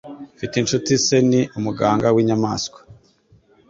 Mfite inshuti se ni umuganga winyamaswa.